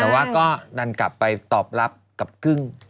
แต่ว่าก็ดันกลับไปตอบรับกับกึ้ง